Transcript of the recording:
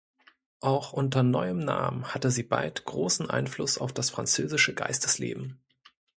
Auch unter neuem Namen hatte sie bald großen Einfluss auf das französische Geistesleben.